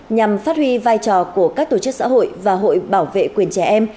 nhằm phát huy vai trò của các tổ chức xã hội và hội bảo vệ quyền trẻ em